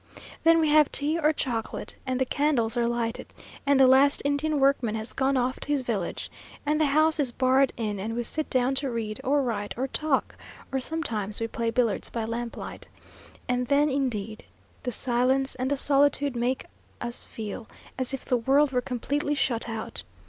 Then we have tea or chocolate and the candles are lighted and the last Indian workman has gone off to his village and the house is barred in, and we sit down to read, or write or talk, or sometimes we play billiards by lamp light. And then indeed the silence and the solitude make us feel as if the world were completely shut out.